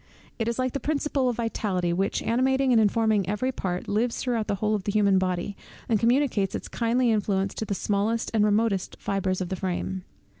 It is like the principle of vitality, which, animating and informing every part, lives throughout the whole of the human body, and communicates its kindly influence to the smallest and remotest fibres of the frame.